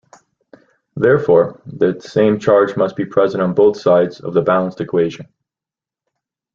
Therefore, the same charge must be present on both sides of the balanced equation.